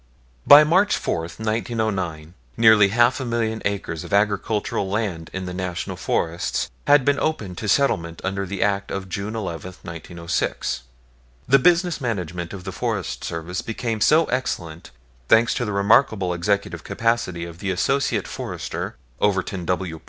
By March 4, 1909, nearly half a million acres of agricultural land in the National Forests had been opened to settlement under the Act of June 11, 1906. The business management of the Forest Service became so excellent, thanks to the remarkable executive capacity of the Associate Forester, Overton W.